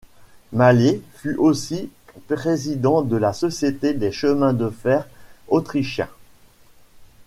Mallet fut aussi président de la société des Chemins de fer autrichiens.